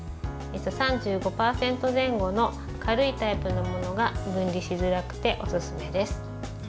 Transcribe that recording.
３５％前後の軽いタイプのものが分離しづらくておすすめです。